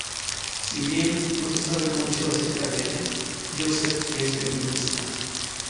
Si bien no se sabe mucho acerca de ella, Yousef es feminista.